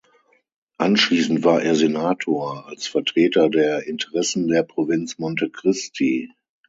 Anschließend war er Senator als Vertreter der Interessen der Provinz Monte Cristi.